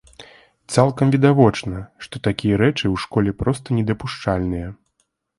Цалкам відавочна, што такія рэчы ў школе проста недапушчальныя!